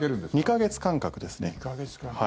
２か月間隔ですね。